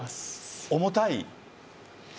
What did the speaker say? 重たい？